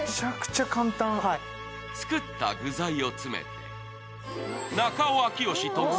作った具材を詰めて、中尾明慶特製